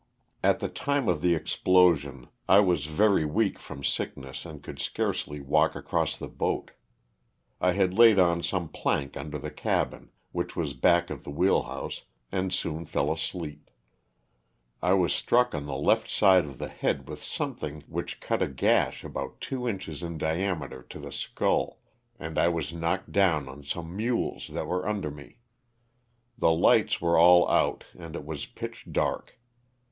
At the time of the explosion I was very weak from 360 LOSS OF THE SULTANA. sickness and could scarcely walk across the boat, I had laid on some plank under the cabin, which was back of the wheelhouse, and soon fell asleep. I was struck on the left side of the head with something which cut a gash about two inches in diameter to the skull, and I was knocked down on some mules that were under me. The lights were all out and it was pitch dark.